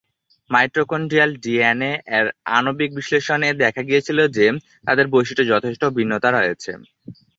Mitochondrial ডিএনএ-এর আণবিক বিশ্লেষণ-এ দেখা গিয়েছিল যে, তাদের বৈশিষ্ট্যে যথেষ্ট ভিন্নতা রয়েছে।